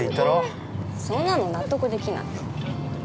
◆そんなの納得できない。